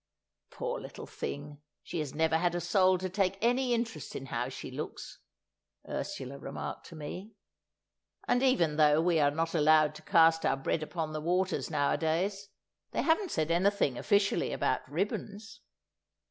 "Poor little thing, she has never had a soul take any interest in how she looks," Ursula remarked to me. "And even though we're not allowed to cast our bread upon the waters, nowadays, they haven't said anything officially about ribbons."